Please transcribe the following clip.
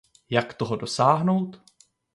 Jak toho dosáhnout?